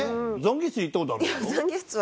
懺悔室行った事あるんですか？